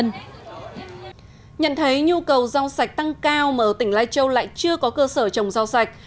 nhận thấy nhu cầu rau sạch tăng cao mà ở tỉnh lai châu lại chưa có cơ sở trồng rau sạch